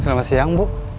selamat siang bu